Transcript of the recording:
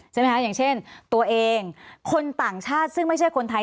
ใช่ไหมคะอย่างเช่นตัวเองคนต่างชาติซึ่งไม่ใช่คนไทย